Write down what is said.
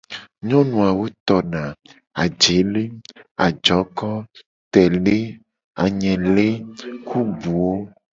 Nyonu awo tona : ajele, ajoko, tele, anyele ku buwo.